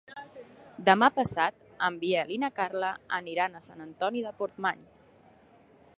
Demà passat en Biel i na Carla aniran a Sant Antoni de Portmany.